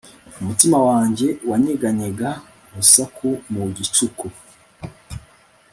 umutima wanjye wanyeganyega urasuka mu gicuku